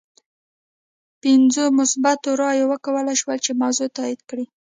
پنځو مثبتو رایو وکولای شول چې موضوع تایید کړي.